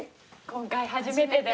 今回初めてで。